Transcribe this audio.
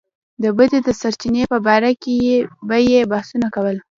د بدۍ د سرچينې په باره کې به يې بحثونه کول.